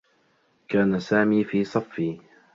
كان سامي في صفّي.